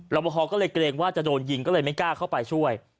ประคอก็เลยเกรงว่าจะโดนยิงก็เลยไม่กล้าเข้าไปช่วย